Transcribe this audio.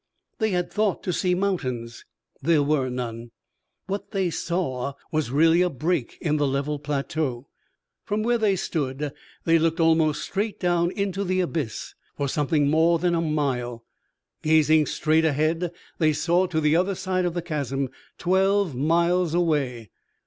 They had thought to see mountains. There were none. What they saw was really a break in the level plateau. From where they stood they looked almost straight down into the abyss for something more than a mile. Gazing straight ahead they saw to the other side of the chasm twelve miles away.